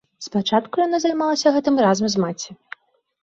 Спачатку яна займалася гэтым разам з маці.